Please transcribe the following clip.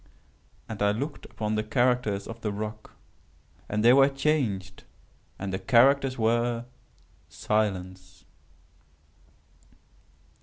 And I looked upon the characters of the rock, and they were changed; and the characters were SILENCE.